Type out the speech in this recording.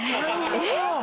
えっ！